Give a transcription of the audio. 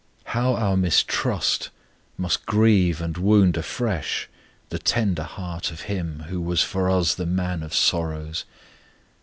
How our distrust must grieve and wound afresh the tender heart of Him who was for us the Man of Sorrows!